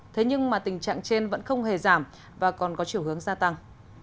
thế nhưng mà tình trạng trên vẫn không hề giảm và còn có chiều hướng gia tăng